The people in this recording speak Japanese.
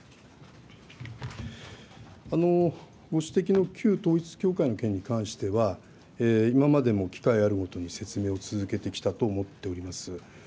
ご指摘の旧統一教会の件に関しては、今までも機会あるごとに説明を続けてきたと思っております。